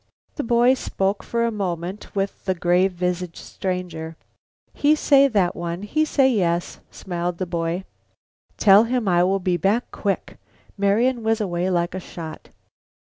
The boy spoke for a moment with the grave visaged stranger. "He say, that one, he say yes," smiled the boy. "Tell him I will be back quick." Marian was away like a shot.